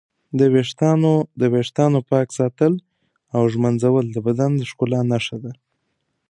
د ویښتانو پاک ساتل او ږمنځول د بدن د ښکلا نښه ده.